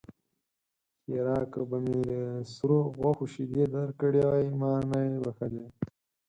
ښېرا: که به مې له سرو غوښو شيدې درکړې وي؛ ما نه يې بښلی.